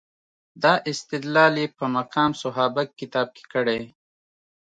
دا استدلال یې په مقام صحابه کتاب کې کړی.